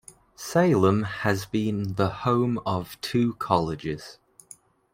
Salem has been the home of two colleges.